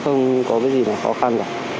không có gì khó khăn